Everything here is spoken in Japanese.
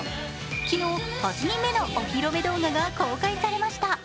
昨日、８人目のお披露目動画が公開されました。